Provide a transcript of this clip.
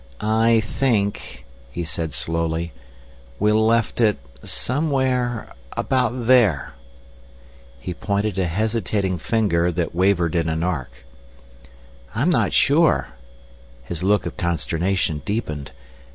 "I think," he said slowly, "we left it ... somewhere ... about there." He pointed a hesitating finger that wavered in an arc. "I'm not sure." His look of consternation deepened.